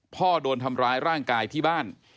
โดนทำร้ายร่างกายที่บ้าน